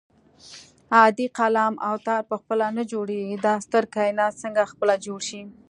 عادي قلم او تار خپله نه جوړېږي دا ستر کائنات څنګه خپله جوړ شي